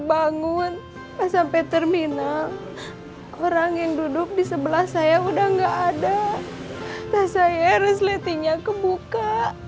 bangun sampai terminal orang yang duduk di sebuah rumah itu jadi aku selalu nampak dia